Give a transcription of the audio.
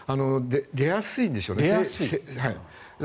出やすいんでしょうね。